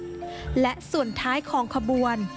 และส่วนท้ายของขบวน